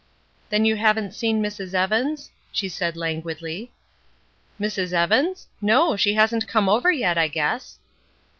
''Then you haven't seen Mrs. Evans?" she said languidly. ''Mrs. Evans? No. She hasn't come over yet, I guess."